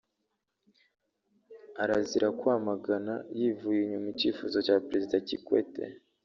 arazira kwamagana yivuye inyuma icyifuzo cya perezida Kikwete